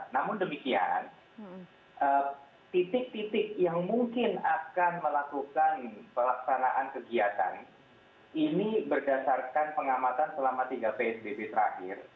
namun demikian titik titik yang mungkin akan melakukan pelaksanaan kegiatan ini berdasarkan pengamatan selama tiga psbb terakhir